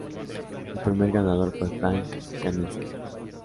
El primer ganador fue Frank Kaminsky.